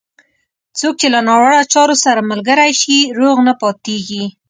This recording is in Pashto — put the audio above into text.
څوک چې له ناوړه چارو سره ملګری شي، روغ نه پاتېږي.